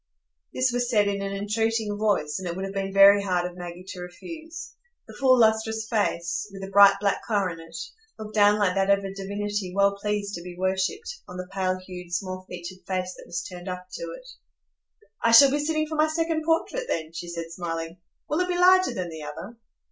This was said in an entreating voice, and it would have been very hard of Maggie to refuse. The full, lustrous face, with the bright black coronet, looked down like that of a divinity well pleased to be worshipped, on the pale hued, small featured face that was turned up to it. "I shall be sitting for my second portrait then," she said, smiling. "Will it be larger than the other?"